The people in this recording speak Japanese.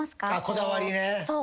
こだわりね。